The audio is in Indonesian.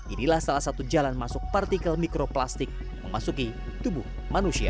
inilah salah satu jalan masuk partikel mikroplastik memasuki tubuh manusia